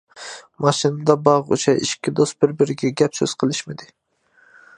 ماشىنىدا بارغۇچە ئىككى دوست بىر-بىرىگە گەپ-سۆز قىلىشمىدى.